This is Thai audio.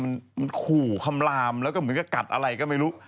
มันขู่คำลามแล้วก็เหมือนกับกัดอะไรก็ไม่รู้